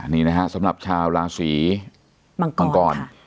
นี่นะฮะสำหรับชาวราศีมังกร